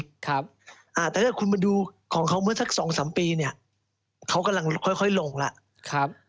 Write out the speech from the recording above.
แต่ถ้าคุณมาดูของเขาเมื่อสัก๒๓ปีเนี่ยเขากำลังค่อยลงแล้ว